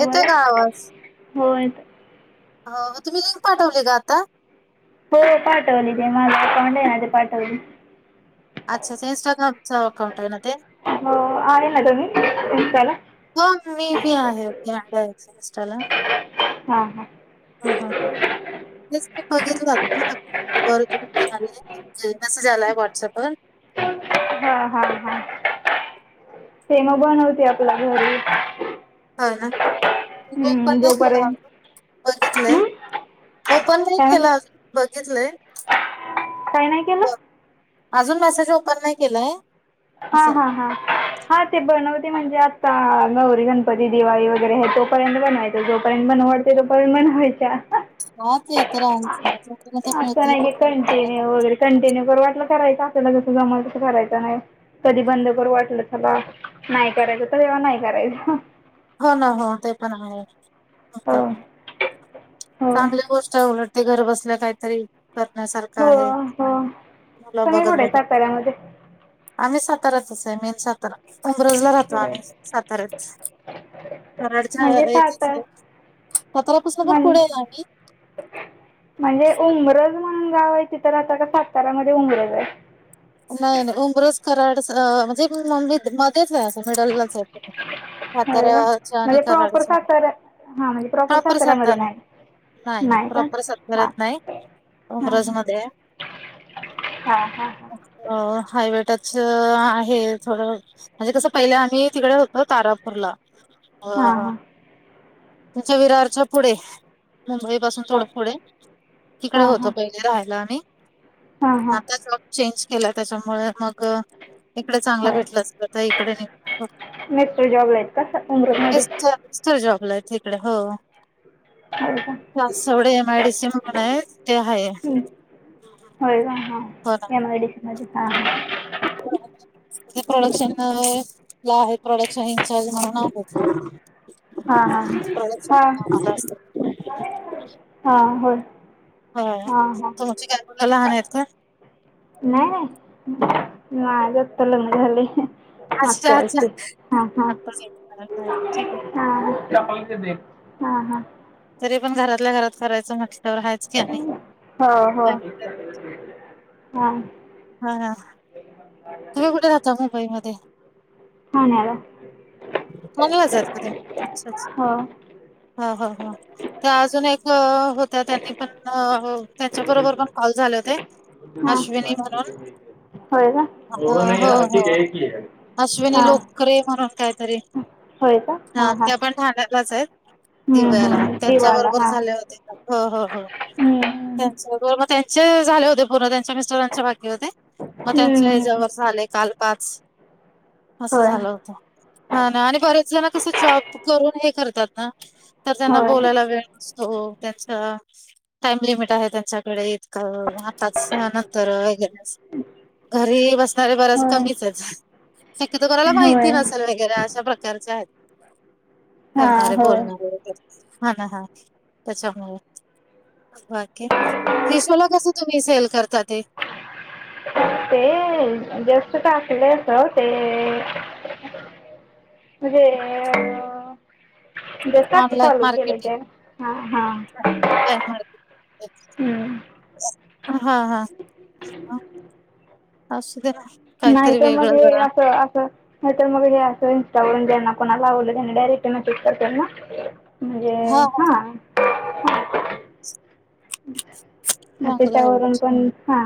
येतोय का आवाज? होय येतोय. हो तुम्ही लिंक पाठवली का आता. हो पाठवली ते माझ [unintelligible] पाठवली. अच्छा इस्टाग्रामचा अकाउंट आहे ना ते? हो आहे ना तुम्ही इंस्टाला? हो मी मी आहे मी आहे इंस्टाला. हां हां ह् ह् तेच मी बघितलं आता. [inaudible] मेसेज यायलाय व्हॉट्सअप वर. हा हा हा ते मग बनवते आपलं घरी. होय ना तूम्ही ओपन हं, नाही केलं जोपर्यंत अजून बघितलंय. हं? ओपन नाही काय म्हणलं केलं अजून बघितलंय. काय नाही केलं? बरं. अजून मेसेज ओपन नाही केलाय. हा असं हा हा. हा ते बनवते म्हणजे आत्ता गौरी गणपती दिवाळी वगैरे आहे तोपर्यंत बनयचं जोपर्यंत बनवू वाटतंय. [unintelligible] हा ते तर हायचं ना जोपर्यंत मिळतंय नाही की तोपर्यंत कंटिन्यू करायचं. वगैरे कंटिन्यू करू वाटलं करायचं आपल जस जमल तसं करायचं हाय कधी बंद करू वाटलं चला नाही करायचं तर तेव्हा नाही करायचं. हो ना हो ते पण हो आहेक. हो चांगल्या गोष्ट अवलटते घर बसल्या काहीतरी. करण्यासारखा हो आहे हो मूल तुम्ही बघत कुठे बघत. साताऱ्यामध्ये आम्ही सातऱ्याच आहे मेन सातारा उंब्रज ला राहतो आम्ही साताार्यात. कराडच्या म्हणजे याच्या सातार आहे साताऱ्यापासून म्हण पुढे आहे आम्ही. म्हणजे उमरज म्हणून गाव आहे तीत राहता का साताऱ्यामध्ये उमरज आहे. नाही नाही उमरस कराड म्हणजे मम्मी मध्येच आहे असं मिडललाच आहे. होय का साताऱ्याच्या आणि म्हणजे प्रॉपर कराडच्या मदी सातारा हां म्हणजे प्रॉपर साताऱ्यामध्ये सातऱ्यात. नाही नाही नाही प्रॉपर हां साताऱ्यात नाही उमरज मध्ये आहे. हा हा ह. अ हायवेटच आहे थोडं. म्हणजे कसं पहिलं आम्ही तिकडे होतो तारापूरला. हां ह हां तुमच्या विरारच्या पुढे. मुंबई पासून हां थोड पुढे तिकडे हां होत हां राहायला आम्ही हां हां मागच्याच मागं चेंज केला त्याच्यामुळे मग इकडे चांगलं होय भेटलं असल तर इकडे निघ मिस्टर जॉबला आहेत का स उमरठमध्ये मिस्टर जॉबला हायत तिकडे हो. का वासवडे एमआयडीसी म्हणून आहे त्यो आहे. हं. होय का ह. हो ना माज काम हाय. [unintelligible] ते प्रोडक्शन ला [inaudible] प्रोडक्शन इंचार्ज म्हणून आहे हां हां प्रॉडक्ट सगळ्या कामात असत्यात हा होय हा हा तुमची काय मुलं लहान आहेत काय नाही नाही माझ आत्ता लग्न झालय अच्छा अच्छा [inaudible] ठीक आहे हा हा हा हा तरी पण घरातल्या घरात करायचं म्हटल्यावर हयच की आणि हो हो काय. हा हा हा तुम्ही कुठे राहता मुंबई मध्ये ठाण्याला ठाणे भागच आहेत का तुम्ही आच्छा आच्छा हो हा हा हा त्या अजून एक होत्या त्यांनी पण त्यांच्या बरोबर पण कॉल झाले होते अश्विनी म्हणून हा हो, होय हो, हो. का आहे अश्विनी हा लोकरे म्हणून काहीतरी हा त्या पण ठाण्यालाच आहेत हम्म दिव्याला हम्म यांच्या दिवाला बरोबर हा झाले होते हो हो हम्म त्यांच्या [inaudible] कॉल म त्यांचे झाले होते पूर्ण त्यांच्या मिस्टरांच्या बाकी होते म त्यांच्या हम्म हम्म याच्यावर झाले काल पाच असं होय झालं होतं हा ना आणि बरेच जण कसं जॉब करून हे करतात ना तर त्यांना होय बोलायला वेळ नसतो त्यांचा टाइम लिमिट आहे त्यांच्याकडे आताच नंतर वगैरे अस घरी बसणारे बराच होय कमीच आहेत शक्यतो कोणाला माहिती होय नसेल हे कारण अशा प्रकारच आहे हा करणारे होय बोलणारे हा ना हा त्याच्यामुळे मग बाकी मेशोला कसं तुम्ही सेल करता ते ते जस्ट टाकलंय अस ते म्हणजे जस्ट आत्ता ऑनलाईन चालू केलय ते मार्केटिंग हा हा ऑनलाईन [inaudible] हम्म हा हा असूदे ना नाही काहीतरी तर मग वेगळं हे जरा असं असं नाही तर मग हे असं इस्टावरून ज्यांना कोणाला आवडलं त्यांनी डायरेक्ट मेसेज करतात ना. म्हणजे हा म चांगलं आहे त्याच्यावरून उलट पण हा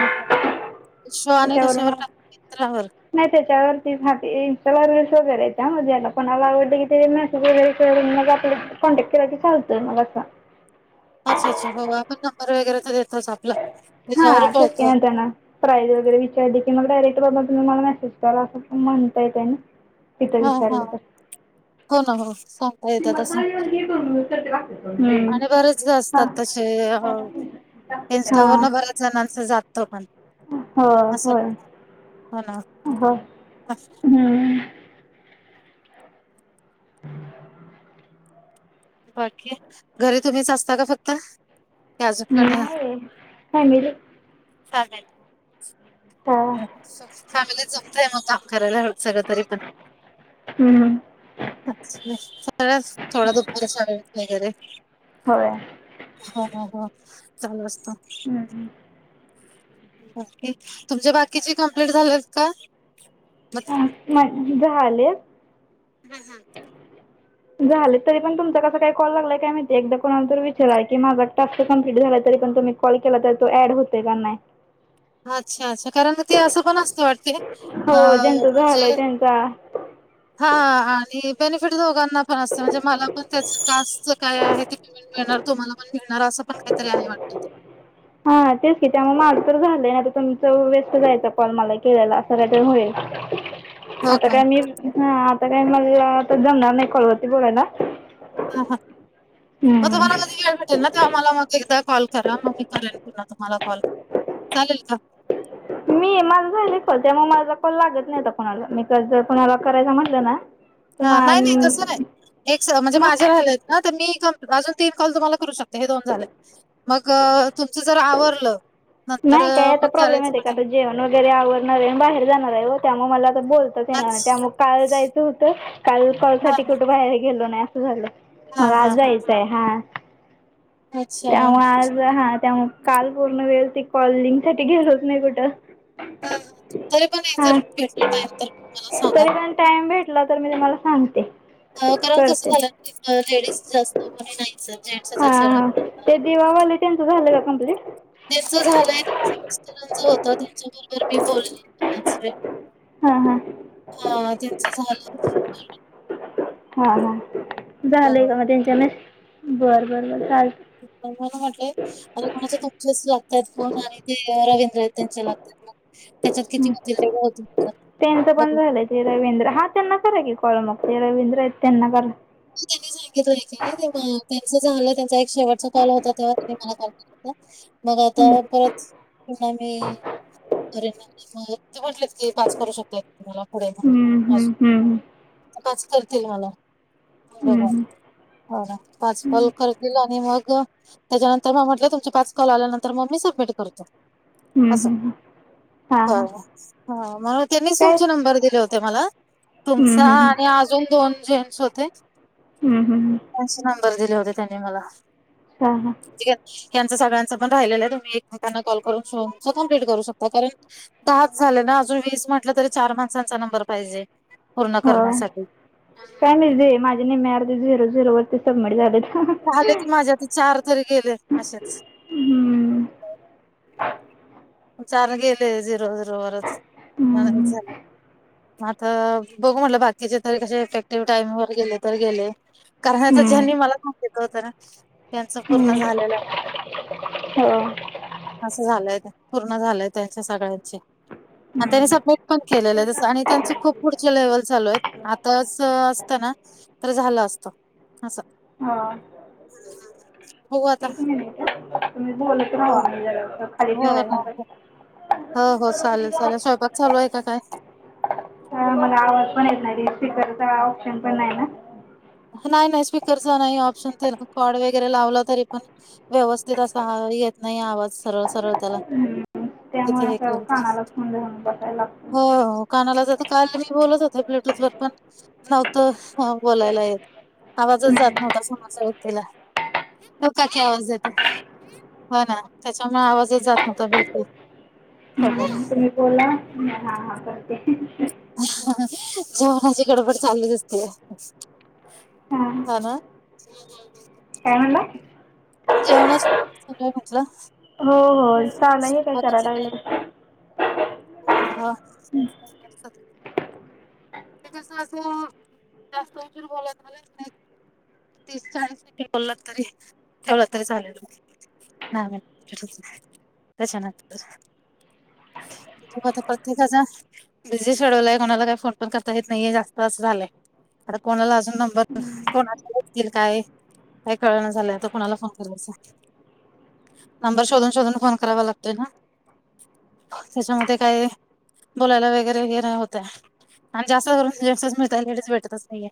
मिशो आणि त्याच्यावरून कशावर टाकताय मिंत्रावर नाही त्याच्यावरती हा इन्स्टाला रिल्स वगैरे येत्या म ज्याला कोणाला आवडलं कि ते मेसेज फोन वगैरे केला की मग आपला कॉन्टॅक्ट केला की चालतय असा अच्छा अच्छा हो आपण नंबर वगैरे तर देतोच आपला त्याच्यावर हा तेच की कळतो नंतरन प्राईज वगैरे विचारली की मग डायरेक्ट बाबा तुम्ही मला मेसेज करा असं म्हणता येतय ना. तिथं हा हा विचारलं तर हो ना हो सांग आणि बरेच जण असतात तसे [unintelligible] हा जणांस जातं पण होय असं पण होय हो ना. बर हम्म [inaudible] बाकी घरी तुम्हीच असता का फक्त? कि अजून कोणी? आहे फॅमिली हा फॅमिली जमतेय मग काम करायला सगळं तरी पण हम् च सगळ्या थोडा दुपारी [unintelligible] वगैरे होय हा हा हा चालू असतं हम्म ओके तुमचे बाकीचे कंप्लिट झालेत का? माझे झाले ह सांग झाले तरीपण तुमचं कसा काय कॉल लागलाय काय माहिती एकदा कोणालातरी विचाराय की माझा टास्क कम्प्लीट झालाय तरी पण तुम्ही कॉल केला तर तो ऍड होतोय का नाय? [inaudible] अच्छा असं कारण ते असं पण असतं वाटते हो अं ज्यांचं झालंय जे त्यांचा [inaudible] हा आणि बेनिफिट दोघांना पण असतं म्हणजे मला पण त्याच टास्क च काय आहे ते मिळणार तुम्हाला पण मिळणार असं पण काहीतरी आहे वाटतं ते हा तेच की त्यामुळे माझं तर झालंय आता तुमच वेस्ट जायचा कॉल मला केलेला. खरं ते होईल हो आता का? काय मी आता काय मला आता तर जमणार नाही कॉलवरती बोलायला. हा हा मग हम्म. तुम्हाला कधी त्यांना का मला मग एकदा कॉल करा मग मी करेन पुन्हा तुम्हाला कॉल चालेल का? मी माझं झालंय कॉल त्यामुळे माझा कॉल लागत नव्हता कोणाला मी क जर कुणाला करायच म्हटलं ना तर ह मा नाही नाही तसं नाही एक म्हणजे मग माझे राहिले आहेत ना तर मी अजून तीन कॉल तुम्हाला करू शक हे दोन झाले. मग तुमचं जर आवरलं नंतर नाही काय मग आता प्रॉब्लेम करायचं येते का म्हंटलं कि आता जेवण वगैरे आवणार हाय आणि बाहेर जाणार आहे त्यामुळे मला आ बोल आज त्यामुळं काल जायचं होतं काल कॉल हां, साठी कुठं बाहेर गेलो नाही असं झालं. हां, मग हां, आज हां. जायचंय हा. अच्छा. त्यामुळे आज ठीक आहे. हा त्यामुळं काल पूर्ण वेळ ते कॉलिंग साठी गेलोच नाही कुठं ह तरी पण एक हां जर भेटला टाईम तर म मला सांगा टाइम भेटला तर मी तुम्हाला सांगते. कारण करते कसं झालं लेडीज जास्त कोणी नाहीचं हाय जेंट्सचं आहेत सगळं तेवावाले त्यांचं झालं का कम्प्लीट? त्याच झालंय त्यांच्या मिस्टरांचं होत त्यांच्या बरोबर मी बोलली बराच वेळ हा हा हा त्यांच झालं बोलून हा हा झालंय बघा. का मग त्यांच्या मिस्ट बर बर बर चालतय. म्हणून म्हंटले आता कोणाच तुमचेच लागतात फोन आणि ते रवींद्र आहेत त्यांच्या लाग त्याच्यात किती हं. होतील तेवढे होतील त्यांचं पण बघू झालं आहे ते रवींद्र हा त्यांना करा की कॉल मग ते रवींद्र आहेत त्यांना करा मी त्यांनी सांगितलंय क त्यांच जे झालं त्यांचा एक शेवटचा कॉल होता तेव्हा त्यांनी मला कॉल केला मग आता परत पुन्हा मी करेन [inaudible] ते म्हटलेत की पाच करू शकतात मला पुढे हं, हं, हं, हं. पाच करतील मला ब हं, हं. बर पाच कॉल करतील आणि मग त्याच्यानंतर म म्हटलं तुमचे पाच कॉल आल्यांनंतर मी सबमिट करतो हं, अस हं, हं. हां ह हां ह मग त्यांनीच काय तुमचे नंबर दिले होते मला हं, तुमचा हं, हं. आणि अजून दोन जेंट्स होते ते.. हम् हम ह.. त्यांचे नंबर दिले होते त्यांनी मला हा हा.. म्हनजे सगळ्यांचं पण राहिलेलं आहे तुम्ही एकमेकांना कॉल करून कंप्लिट करू शकता कारण दहाच झाले ना अजून वीस म्हटलं तरी चार माणसांचा नंबर पाहिजे. पूर्ण हो करण्यासाठी काय नाहीे माझे नेहमी अर्धे झिरो झिरोवरती सबमिट झालेत. झाले की माझे आता चार तरी गेले असेच हम्म.. चार गेले झीरो झीरो वरच म्हना हम्म झाले म आता बघु म्हटलं बाकीचे तरी कसे इफेक्टिव्ह टाईम वर गेले तर गेले कारण आता हम्म ज्यांनी मला सांगितल होतं ना त्यांच पूर्ण हम्म झालेलं आहे. हो असं झालंय पूर्ण झालंय त्याच्या सगळ्यांचे. आणि त्यांनी हम्म सबमिट पण केलेलं आहे, तस त्यांचं खूप पुढचे लेव्हल चालू आहेत. आताच असत ना तर झालं असत अस हां.. हो आता.. हा तुम्ही बोलत राहा हो.. हो [inaudible] हो हो चालेल चालेल.. स्वयंपाक चालू आहे का काय? मला आवाज पण येत नाही [inaudible] ऑप्शन पण आहे ना. नाही नाही स्पीकरचा नाही ऑप्शन कॉड वगैरे लावला तरी पण व्यवस्थित असा येत नाही आवाज सरळ सरळ त्याला हम्म तिथे त्यामुळे हे असं केलं तरी. कानाला फोन लावून बसायला लागतं. हो, हो. कानाला, तर काल मी बोलत होते ब्लूटूथ वर पण नव्हतं बोलायला येतं. आवाजचं जात हम्म नव्हता समोरच्या व्यक्तीला. हो ना त्याच्यामुळे आवाजच जात नव्हता बिलकुल तो पण. हम्म तुम्ही बोला मी हा हा करते. जेवणाची गडबड चालूच असते. हा ना. काय म्हणला? जेवणाची गडबड चालू आहे म्हटलं. हो हो चाललयं हे काय स्वयंपाकाची करायला लागलं. ह. ते कसं असं जास्त उशीर बोलय चालत नाही. तीस चाळीस [inaudible] बोललात तरी ठेवलं तरी झालेल. [inaudible] तर आता प्रत्येकाचा बिझी सोडायला आहे. कोणाला काय फोन पण करता येत नाही, जास्त अस झालंय. आता कोणाला अजून नंबर कोणाला देतील काय? काय कळना झालंय आता कुणाला फोन करायचा. नंबर शोध शोधून फोन करावा लागतोय ना? त्याच्यामध्ये काही, बोलायला वगैरे हे नाही होत आणि जास्त करून जेन्टस मिळत. लेडीज भेटतचं नाहीये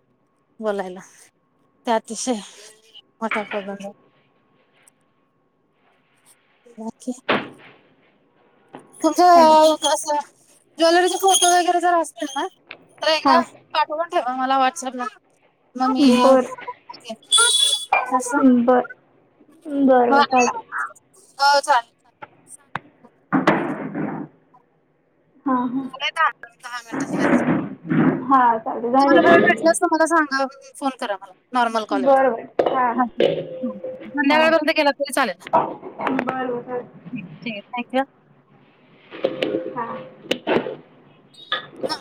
बोलायला. त्या अतिशय, मोठा प्रॉब्लेम झालंय. बाकी? तुमच्या हॅलो असं, ज्वेलरीचे फोटो वगैरे जर असतील ना, तर एका. हा पाठवून ठेवा मला व्हॉट्सप ला, मग मी. बर बरं. हा, चालत हो चालेल. झाले हा. हा झालंय दहा, दहा मिनिटं झालेत. हा. चालते झाले तुम्हाला वेळ का भेटलंस तर मला सांगा फोन करा मला. नॉर्मल कॉल, बरोबर हा हा संध्याकाळपर्यंत केला तरी चालेल. बरं-बरं चालतंय. थँक्यू हा. हा. हा.